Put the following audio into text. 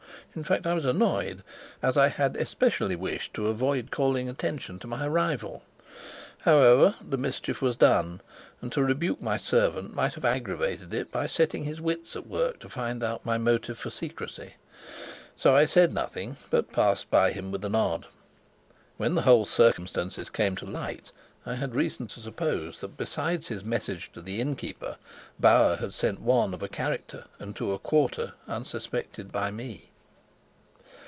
In fact I was annoyed, as I especially wished to avoid calling attention to my arrival. However, the mischief was done, and to rebuke my servant might have aggravated it by setting his wits at work to find out my motive for secrecy. So I said nothing, but passed by him with a nod. When the whole circumstances came to light, I had reason to suppose that besides his message to the inn keeper, Bauer sent one of a character and to a quarter unsuspected by me.